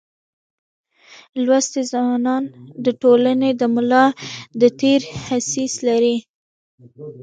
لوستي ځوانان دټولني دملا دتیر حیثیت لري.